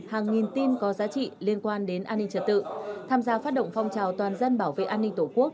hàng nghìn tin có giá trị liên quan đến an ninh trật tự tham gia phát động phong trào toàn dân bảo vệ an ninh tổ quốc